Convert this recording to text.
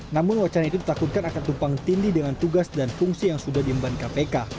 namun wacana itu ditakutkan akan tumpang tindih dengan tugas dan fungsi yang sudah diemban kpk